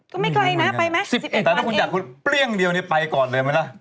ก็ไม่ไกลนะไปมั้ย๑๑วันเองแต่ถ้าคุณอยากคุณเปรี้ยงเดียวนี้ไปก่อนเลยไหมนะ